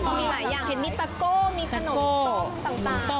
มีหลายอย่างเห็นมีตะโก้มีขนมต้มต่าง